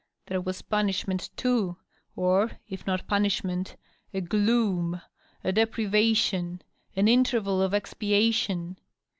There was punishment, too, or, if not punishment, a gloom, a deprivation, an inter\dl of expiation